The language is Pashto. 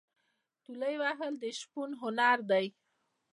تولې وهل د شپون هنر دی.